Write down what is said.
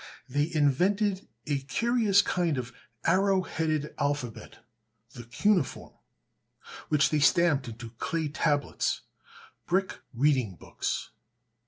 They invented a curious kind of arrow headed alphabet (the cuneiform), which they stamped into clay tablets, brick reading books.